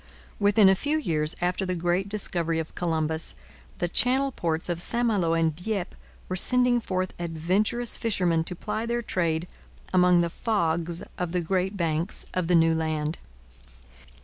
Within a few years after the great discovery of Columbus, the Channel ports of St Malo and Dieppe were sending forth adventurous fishermen to ply their trade among the fogs of the Great Banks of the New Land.